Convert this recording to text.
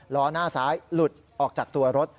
ล้อหน้าซ้ายหลุดออกจากตัวรถ